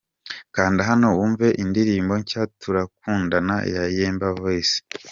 Kanda hano wumve indirimbo nshya 'Turakundana' ya Yemba Voice.